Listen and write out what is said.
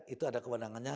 itu ada kewenangannya